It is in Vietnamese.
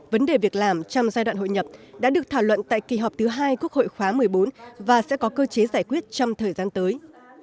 vấn đề việc làm trong giai đoạn hội nhập đã được thảo luận tại kỳ họp thứ hai quốc hội khóa một mươi bốn và sẽ có cơ chế giải quyết trong thời gian tới